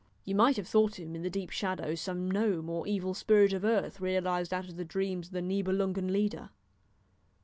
You might have thought him, in the deep shadow, some gnome or evil spirit of earth realised out of the dreams of the Niebelungen Lieder.